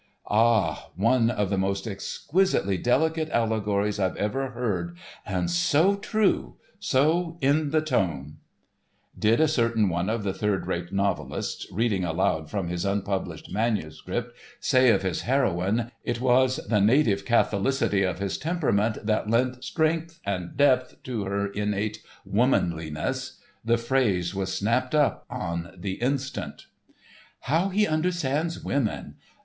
"Ah, one of the most exquisitely delicate allegories I've ever heard, and so true—so 'in the tone'!" Did a certain one of the third rate novelists, reading aloud from his unpublished manuscript, say of his heroine: "It was the native catholicity of his temperament that lent strength and depth to her innate womanliness," the phrase was snapped up on the instant. "How he understands women!"